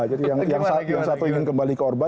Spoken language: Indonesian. jadi yang satu ingin kembali ke orba